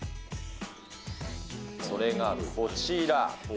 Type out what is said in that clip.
それがこちら。